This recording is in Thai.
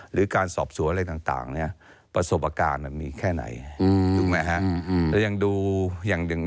หรือการสอบสวนอะไรต่างประสบอาการมันมีแค่ไหนถูกไหม